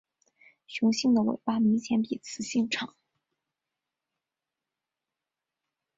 雄性的尾巴明显比雌性长。